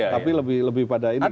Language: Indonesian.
tapi lebih pada ini